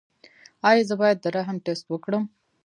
ایا زه باید د رحم ټسټ وکړم؟